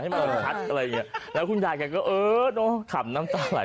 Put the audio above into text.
ให้มันชัดอะไรอย่างเงี้ยแล้วคุณยายแกก็เออเนอะขำน้ำตาไหล